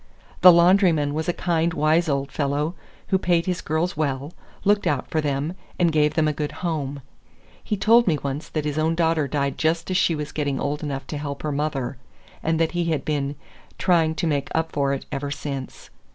The laundryman was a kind, wise old fellow, who paid his girls well, looked out for them, and gave them a good home. He told me once that his own daughter died just as she was getting old enough to help her mother, and that he had been "trying to make up for it ever since."